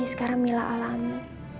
sekarang mila alami